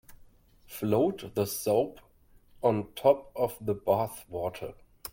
Float the soap on top of the bath water.